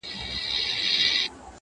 د یو ډول په غاړه ځوان ویډیو مې لیدله